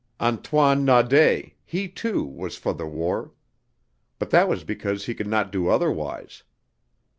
Antoine Naudé, he too, was for the war. But that was because he could not do otherwise.